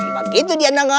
begitu dia mongol